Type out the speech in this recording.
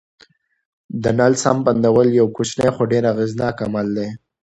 د نل سم بندول یو کوچنی خو ډېر اغېزناک عمل دی.